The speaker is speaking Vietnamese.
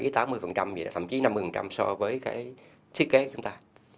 thậm chí năm mươi so với cái thiết kế của chúng ta